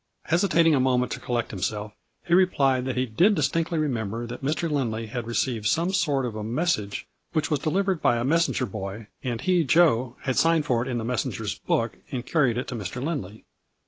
Hesitating a mo ment to collect himself, he replied that he did distinctly remember that Mr. Lindley had re ceived some sort of a message which was deliv ered by a messenger boy, and he, Joe, had 182 A FLURRY IN DIAMONDS. signed for it in the messenger's book and carried it to Mr. Lindley.